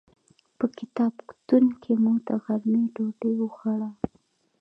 په کتابتون کې مو د غرمې ډوډۍ وخوړه.